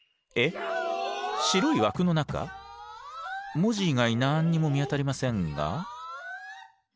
文字以外何にも見当たりませんが。